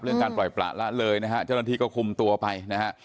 การปล่อยประละเลยนะฮะเจ้าหน้าที่ก็คุมตัวไปนะฮะ